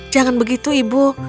jangan begitu ibu